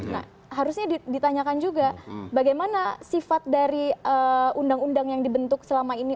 nah harusnya ditanyakan juga bagaimana sifat dari undang undang yang dibentuk selama ini